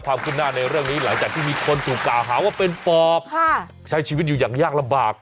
ขึ้นหน้าในเรื่องนี้หลังจากที่มีคนถูกกล่าวหาว่าเป็นปอบใช้ชีวิตอยู่อย่างยากลำบาก